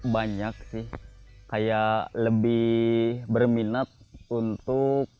banyak sih kayak lebih berminat untuk